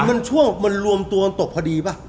มันลู้มตัวตกพอดีป่ะ